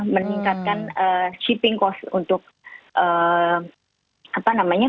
meningkatkan shipping cost untuk apa namanya